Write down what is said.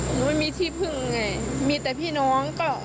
ไม่มีที่พึ่งไงมีแต่พี่น้องก็